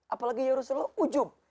apalagi ya rasulullah ujub